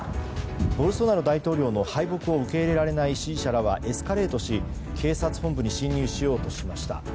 ボルソナロ大統領の敗北を受け入れられない支持者らはエスカレートし警察本部に侵入しようとしました。